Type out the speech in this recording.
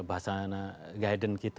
baksana guidance kita